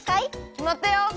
きまったよ！